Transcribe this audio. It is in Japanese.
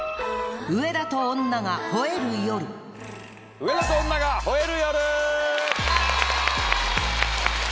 『上田と女が吠える夜』！